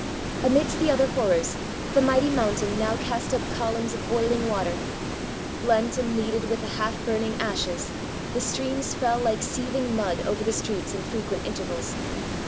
Amidst the other horrors, the mighty mountain now cast up columns of boiling water. Blent and kneaded with the half burning ashes, the streams fell Hke seeth ing mud over the streets in frequent intervals.